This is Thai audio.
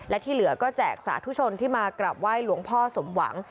และที่เหลือก็แจกสาธุชนที่มากราบไหว้หลวงพ่อสมหวัง